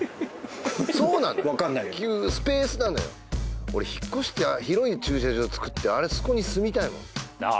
スペースなのよ俺引っ越して広い駐車場つくってあそこに住みたいもんあ